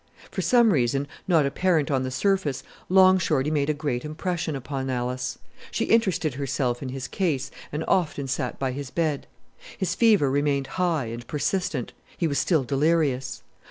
For some reason, not apparent on the surface, Long Shorty made a great impression upon Alice. She interested herself in his case, and often sat by his bed. His fever remained high and persistent; he was still delirious.